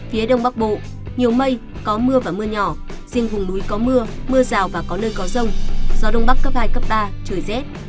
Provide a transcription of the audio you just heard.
phía đông bắc bộ nhiều mây có mưa và mưa nhỏ riêng vùng núi có mưa mưa rào và có nơi có rông gió đông bắc cấp hai cấp ba trời rét